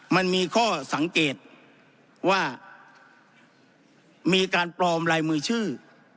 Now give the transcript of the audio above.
มันมีข้อสังเกตว่ามีการปลอมลายมือชื่อ